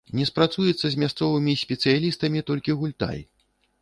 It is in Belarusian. Не спрацуецца з мясцовымі спецыялістамі толькі гультай.